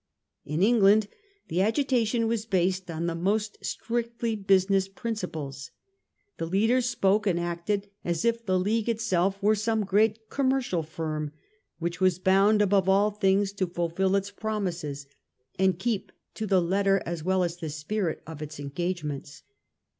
In England the agitation was based on the most strictly business principles. The leaders spoke and acted as if the League itself were some great commercial firm, which was bound above all things to fulfil its promises and keep to the letter as well as the spirit of its engagements.